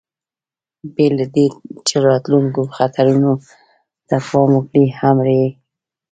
بې له دې، چې راتلونکو خطرونو ته پام وکړي، امر یې کاوه.